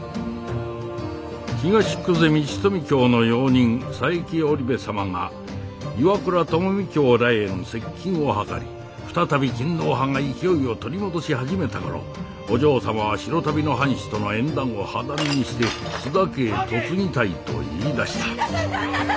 東久世通禧の用人佐伯織部様が岩倉具視らへの接近を図り再び勤皇派が勢いを取り戻し始めた頃お嬢様は白足袋の藩士との縁談を破談にして津田家へ嫁ぎたいと言いだした旦那様！